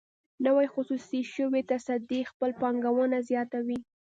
نوې خصوصي شوې تصدۍ خپله پانګونه زیاتوي.